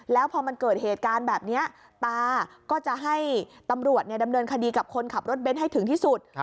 แล้วพอมันเกิดเหตุการณ์แบบนี้ตาก็จะให้ตำรวจดำเนินคดีกับคนขับรถเบ้นให้ถึงที่สุด